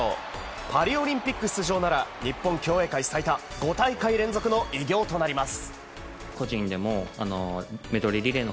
パリオリンピック出場なら日本競泳界最多５大会連続の偉業となります。